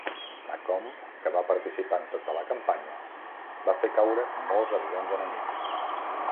"Macomb", que va participar en tota la campanya, va fer caure molts avions enemics.